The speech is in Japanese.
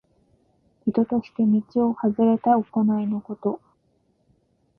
人としての道をはずれた行いのこと。